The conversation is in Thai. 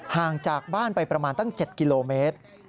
ห่างจากบ้านไปประมาณตั้ง๗กิโลเมตร